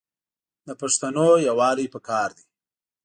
د پښتانو یوالي پکار دی.